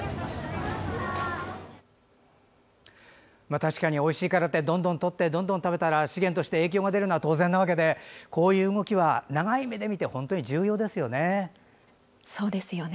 確かに、おいしいからってどんどんとってどんどん食べたら資源として影響が出るのは当然なわけでこういう動きは長い目で見て本当に重要ですよね。